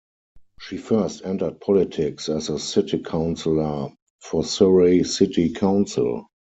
She first entered politics as a city councillor for Surrey City Council.